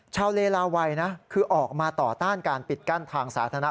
เลลาวัยนะคือออกมาต่อต้านการปิดกั้นทางสาธารณะ